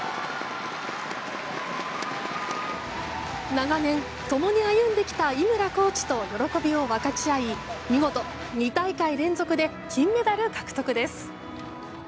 長年、共に歩んできた井村コーチと喜びを分かち合い見事、２大会連続で金メダル獲得です。